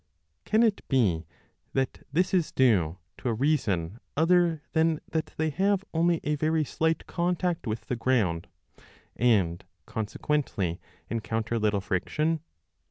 Can it be that this is due to a reason other than that they have only a very slight contact with the ground, and consequently encounter little friction